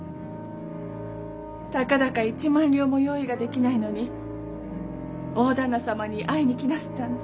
たかだか一万両も用意ができないのに大旦那様に会いに来なすったんで？